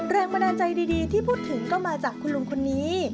แรงบันดาลใจดีที่พูดถึงก็มาจากคุณลุงคนนี้